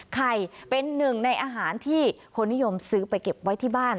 เป็นหนึ่งในอาหารที่คนนิยมซื้อไปเก็บไว้ที่บ้าน